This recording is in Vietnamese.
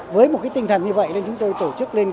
với một tinh thần như vậy nên chúng tôi tổ chức lên kế hoạch